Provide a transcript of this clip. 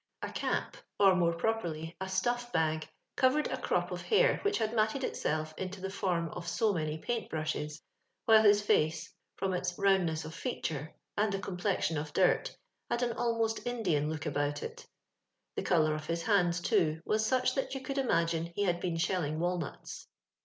A ci4», or more properiy e atoJT bag, oovtnd a crop of hair which had matted itself into the form of so many paint brushes, while bis ftoe, from its roundness of foatore and the com plexion of dirt, had an almost Indian look about it; the colour of his hands, too, wis such that you could imagine he had been shelling wahiuts.